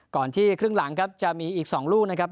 ก่อนที่ครึ่งหลังครับจะมีอีก๒ลูกนะครับ